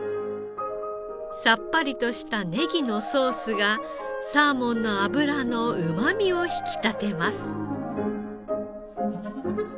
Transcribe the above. さっぱりとしたネギのソースがサーモンの脂のうまみを引き立てます。